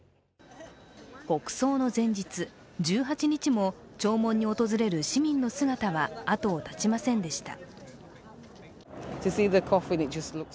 国葬の前日１８日も、弔問に訪れる市民の姿は後を絶ちませんでした。